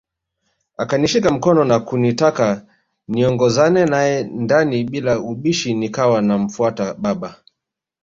Akanishika mkono na kunitaka niongozane nae ndani bila ubishi nikawa namfuata baba